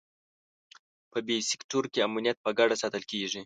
په بي سیکټور کې امنیت په ګډه ساتل کېږي.